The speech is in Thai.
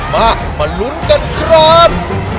มามาลุ้นกันครับ